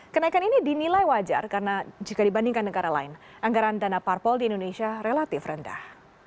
kenaikan ini dinilai wajar karena jika dibandingkan negara lain anggaran dana parpol di indonesia relatif rendah